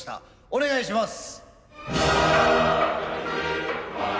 お願いします。